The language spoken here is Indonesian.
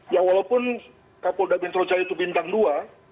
ya walaupun kapolda metro jaya itu bintang dua